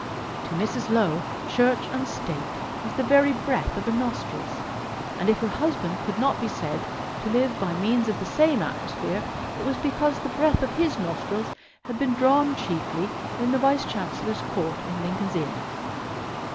To Mrs. Low, Church and State was the very breath of her nostrils; and if her husband could not be said to live by means of the same atmosphere it was because the breath of his nostrils had been drawn chiefly in the Vice Chancellor's Court in Lincoln's Inn.